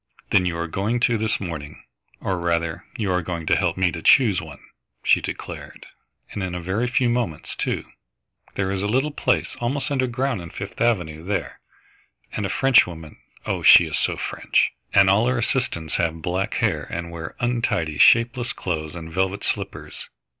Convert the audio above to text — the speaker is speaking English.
"Then you are going to this morning, or rather you are going to help me to choose one," she declared, "and in a very few moments, too. There is a little place almost underground in Fifth Avenue there, and a Frenchwoman oh, she is so French! and all her assistants have black hair and wear untidy, shapeless clothes and velvet slippers.